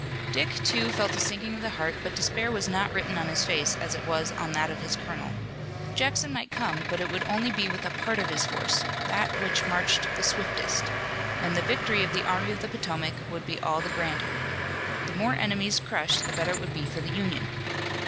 Dick, too, felt a sinking of the heart, but despair was not written on his face as it was on that of his colonel. Jackson might come, but it would only be with a part of his force, that which marched the swiftest, and the victory of the Army of the Potomac would be all the grander. The more enemies crushed the better it would be for the Union.